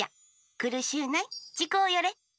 くるしゅうないちこうよれ。